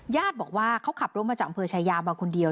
ญาติบอกว่าเขาขับรถมาจากอำเภอชายามาคนเดียว